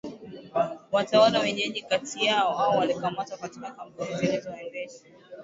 watawala wenyeji kati yao au walikamatwa katika kampeni zilizoendeshwa